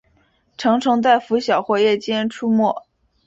成虫在拂晓或夜间出没。